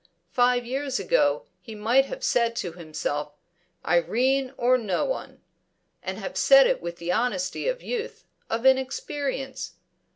Five years ago he might have said to himself, "Irene or no one!" and have said it with the honesty of youth, of inexperience.